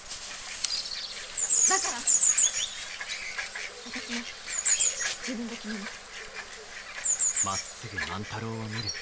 だから私も自分で決めます。